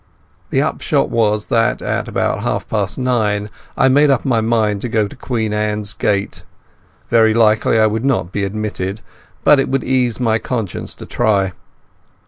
The upshot was that about half past nine I made up my mind to go to Queen Anne's Gate. Very likely I would not be admitted, but it would ease my conscience to try.